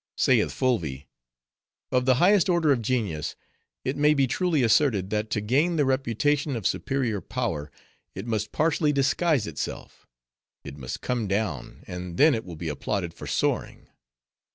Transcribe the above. Saith Fulvi, 'Of the highest order of genius, it may be truly asserted, that to gain the reputation of superior power, it must partially disguise itself; it must come down, and then it will be applauded for soaring.